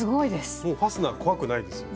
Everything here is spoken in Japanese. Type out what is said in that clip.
もうファスナー怖くないですよね。